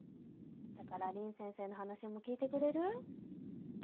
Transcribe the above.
だから凛先生の話も聞いてくれる？